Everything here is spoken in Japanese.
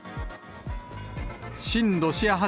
親ロシア派